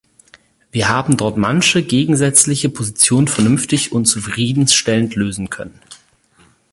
Wir haben dort manche gegensätzliche Position vernünftig und zufriedenstellend lösen können.